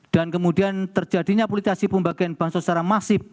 dan kemudian terjadinya politisasi pembagian bansor secara masif